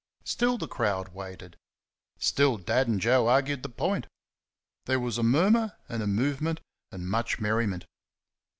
Still the crowd waited. Still Dad and Joe argued the point...There was a murmur and a movement and much merriment.